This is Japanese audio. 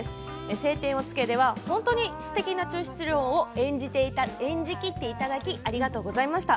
「青天を衝け」では本当にすてきな長七郎を演じていただきありがとうございました。